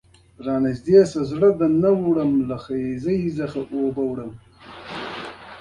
د رڼا لاره یې وښوده ټولو انسانانو ته.